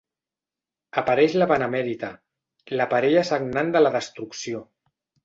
Apareix la Benemèrita: la parella sagnant de la Destrucció!